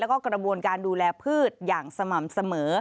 แล้วก็กระบวนการดูแลพืชอย่างสม่ำเสมอ